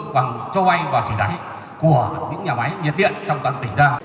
bằng cho bay và chỉ đáy của những nhà máy nhiệt điện trong toàn tỉnh ra